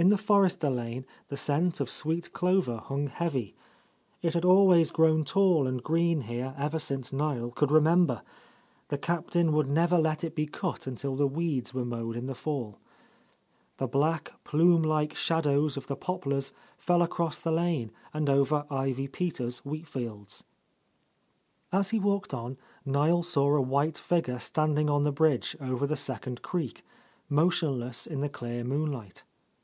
In the Forrester lane the scent of sweet clover hung heavy. It had always grown tall and green here ever since Niel could remember; the Cap tain would never let it be cut until the weeds were mowed In the fall. The black, plume like shad ows of the poplars fell across the lane and over Ivy Peters' wheat fields. .As he walked on, Niel saw a white figure standing on the bridge over the second creek, motionless in the clear moon light.